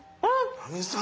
奈美さん。